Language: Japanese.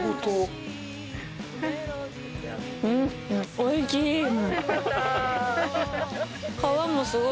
おいしい！